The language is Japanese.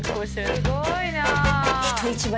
すごいな。